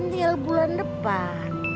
tinggal bulan depan